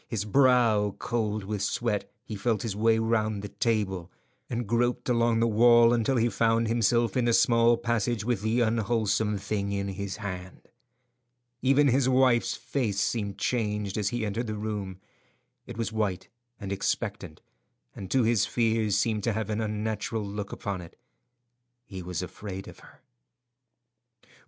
His brow cold with sweat, he felt his way round the table, and groped along the wall until he found himself in the small passage with the unwholesome thing in his hand. Even his wife's face seemed changed as he entered the room. It was white and expectant, and to his fears seemed to have an unnatural look upon it. He was afraid of her.